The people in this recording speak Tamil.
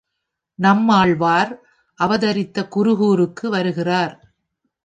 நம்மாழ்வார் அவதரித்த குருகூருக்கு வருகிறார்.